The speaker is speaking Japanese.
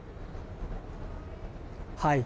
はい。